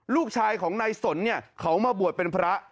ลูกชายของนายสนเนี่ยเขามาบวชเป็นพระ